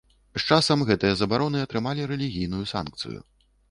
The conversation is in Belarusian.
З часам гэтыя забароны атрымалі рэлігійную санкцыю.